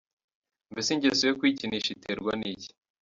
Mbese ingeso yo kwikinisha iterwa n’iki?.